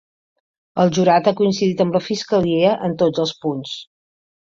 El jurat ha coincidit amb la fiscalia en tots els punts.